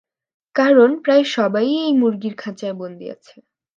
কারণ প্রায় সবাই-ই এই মুরগির খাঁচায় বন্দী আছে।